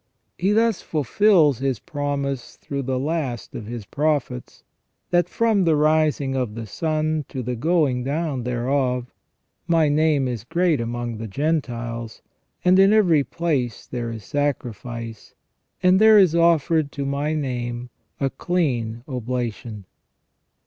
He thus fulfils His promise through the last of His prophets, that " from 366 THE REGENERATION OF MAN the rising of the sun to the going down thereof, My name is great among the Gentiles, and in every place there is sacrifice, and there is offered to My name a clean oblation